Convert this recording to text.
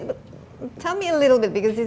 karena ini mungkin lebih menarik